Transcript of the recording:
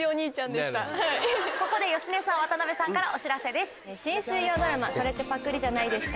ここで芳根さん渡辺さんからお知らせです。